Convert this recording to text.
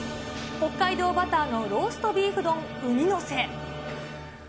北海道バターのローストビーフ丼ウニのせ。